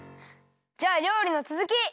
じゃありょうりのつづき！